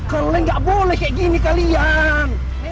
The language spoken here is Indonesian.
kalian nggak boleh kayak gini kalian